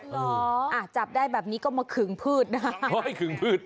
อืออ๋ออ่ะจับได้แบบนี้ก็มาคึงพืชนะฮะโอ้ยคึึกพืช